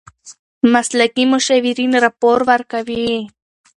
مسلکي مشاورین راپور ورکوي.